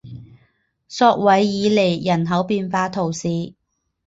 索韦尔尼人口变化图示